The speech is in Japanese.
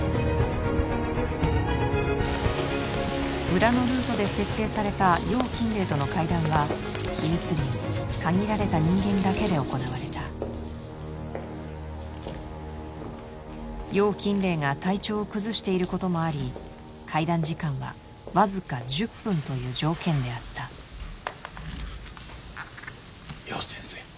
裏のルートで設定された楊錦黎との会談は秘密裏に限られた人間だけで行われた楊錦黎が体調を崩していることもあり会談時間はわずか１０分という条件であった楊先生